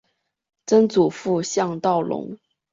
曾祖父向道隆。